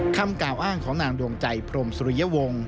คำกล่าวอ้างของนางดวงใจพรมสุริยวงศ์